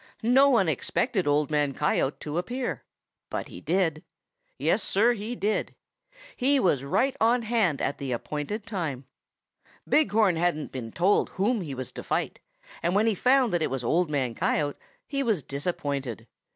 No one expected Old Man Coyote to appear. But he did. Yes, Sir, he did. He was right on hand at the appointed time. Big Horn hadn't been told whom he was to fight, and when he found that it was Old Man Coyote, he was disappointed.